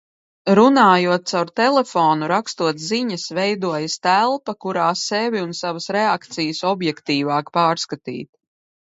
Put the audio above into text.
Runājot caur telefonu, rakstot ziņas, veidojas telpa, kurā sevi un savas reakcijas objektīvāk pārskatīt.